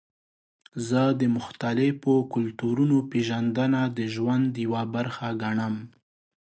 زه د مختلفو کلتورونو پیژندنه د ژوند یوه برخه ګڼم.